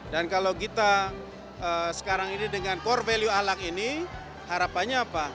dan kalau kita sekarang ini dengan core value ahlak ini harapannya apa